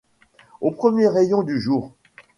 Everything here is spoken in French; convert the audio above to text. Au premier rayon du jour